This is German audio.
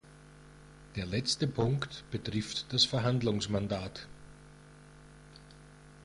Der letzte Punkt betrifft das Verhandlungsmandat.